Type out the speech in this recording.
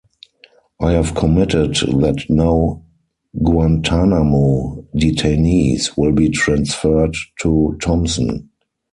I have committed that no Guantanamo detainees will be transferred to Thomson.